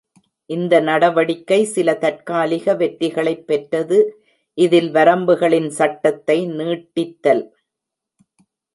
இந்த நடவடிக்கை சில தற்காலிக வெற்றிகளைப் பெற்றது, இதில் வரம்புகளின் சட்டத்தை நீட்டித்தல்.